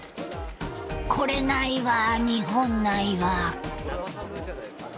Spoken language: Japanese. これないわ日本ないわ。